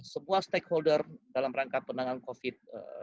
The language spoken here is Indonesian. sebuah stakeholder dalam rangka penanganan covid sembilan